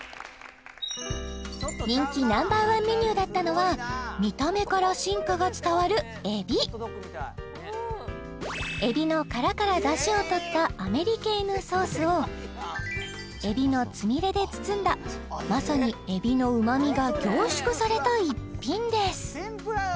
人気Ｎｏ．１メニューだったのは見た目から進化が伝わる海老海老の殻から出汁をとったアメリケーヌソースを海老のつみれで包んだまさに海老のうまみが凝縮された逸品です！